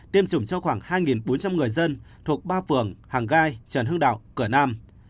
tiêm chủng cho khoảng hai bốn trăm linh người dân thuộc ba phường hàng gai trần hưng đạo cửa nam